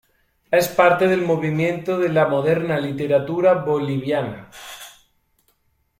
Es parte del movimiento de la moderna literatura boliviana.